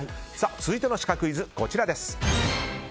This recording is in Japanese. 続いてのシカクイズです。